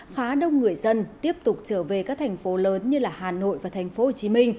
khá đông người dân tiếp tục trở về các thành phố lớn như hà nội và tp hcm